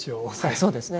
はいそうですね。